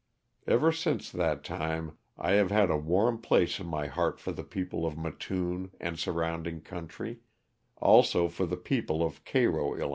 Ever since that time I have had a warm place in my heart for the people of Mattoon and surrounding country, also for the people of Cairo, 111.